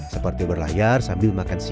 seperti berlayar sambil menikmati kapal pinisi